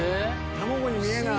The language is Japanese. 卵に見えない。